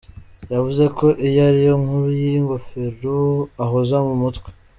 Yavuze ko iyo ariyo nkuru y’ingofero ahoza mu mutwe.